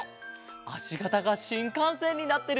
あしがたがしんかんせんになってる！